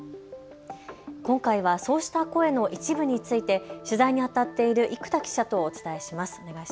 今回はそうした声の一部について取材にあたっている生田記者とお伝えします。